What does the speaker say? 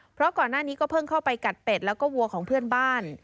เพราะก่อนหน้านี้ก็เพิ่งเข้าไปกัดเป็ดแล้วก็วัวของเพื่อนบ้าน